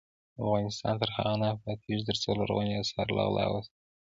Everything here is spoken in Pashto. افغانستان تر هغو نه ابادیږي، ترڅو لرغوني اثار له غلا وساتل شي.